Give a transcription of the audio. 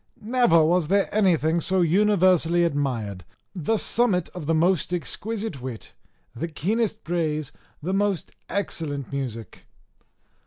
Never was there anything so universally admired, the summit of the most exquisite wit, the keenest praise, the most excellent music.